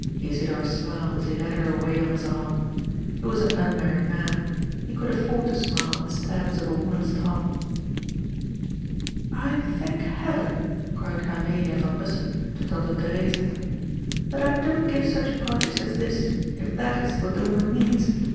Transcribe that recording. '* Isidor smiled as he led her away on his arm. He was an unmarried man. He could afford to smile at the stabs of a woman's tongue. " I thank Heaven," cried Amelia van Bussen to Tante Theresa, ^' that I don't give such parties as this, if that is what the woman means.